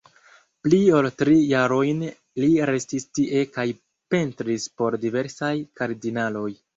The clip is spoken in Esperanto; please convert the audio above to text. Pli ol tri jarojn li restis tie kaj pentris por diversaj kardinaloj.